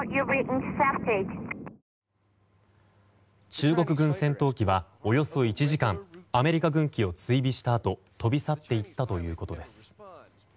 中国軍戦闘機は、およそ１時間アメリカ軍機を追尾したあと飛び去って行ったということです。